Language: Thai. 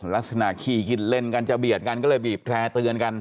ลักษณะขี่กินเล่นกันจะเบียดกันก็เลยบีบแพร่เตือนกัน